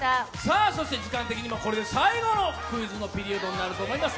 時間的にもこれで最後のクイズのピリオドになると思います。